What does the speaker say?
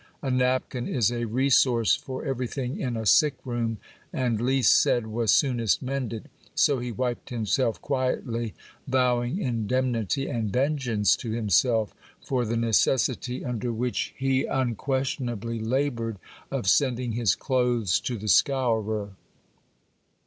A napkin is a resource for everything in a sick room, and least said was soonest mended ; so he wiped himself quietly, vowing indemnity and vengeance to himself for the necessity under which he unquestionably laboured of sending his clothes to the scourer.